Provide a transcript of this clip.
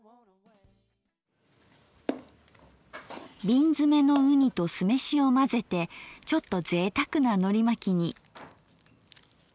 瓶詰めのうにと酢飯を混ぜてちょっとぜいたくなのりまきに。